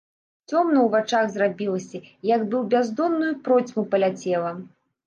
Цёмна ў вачах зрабілася, як бы ў бяздонную процьму паляцела.